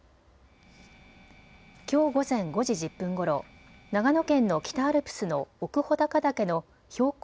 きょう午前５時１０分ごろ、長野県の北アルプスの奥穂高岳の標高